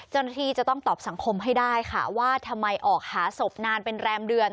เจ้าหน้าที่จะต้องตอบสังคมให้ได้ค่ะว่าทำไมออกหาศพนานเป็นแรมเดือน